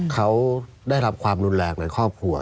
เขาได้รับความรุนแรงในครอบครัว